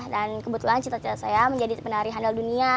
kebetulan cita cita saya menjadi penari handal dunia